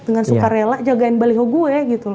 dengan suka rela jagain baliho itu